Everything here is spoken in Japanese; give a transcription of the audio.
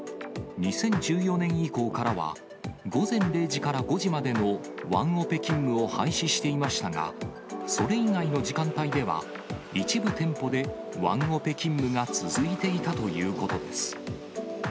２０１４年以降からは、午前０時から５時までのワンオペ勤務を廃止していましたが、それ以外の時間帯では、一部店舗でワンオペ勤務が続いていたということです。